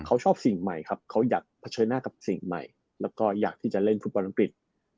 เผชิญหน้ากับสิ่งใหม่แล้วก็อยากที่จะเล่นฟุตบอลังกฤษ